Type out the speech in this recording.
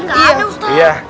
gak ada ustad